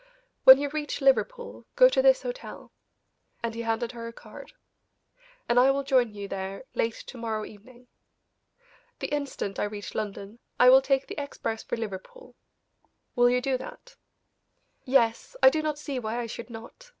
When you reach Liverpool go to this hotel," and he handed her a card, "and I will join you there late to morrow evening. The instant I reach London, I will take the express for Liverpool. Will you do that?" "Yes; I do not see why I should not.